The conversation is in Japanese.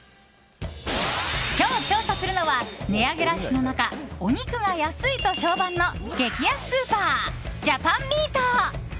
今日、調査するのは値上げラッシュの中お肉が安いと評判の激安スーパージャパンミート。